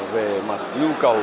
về mặt nhu cầu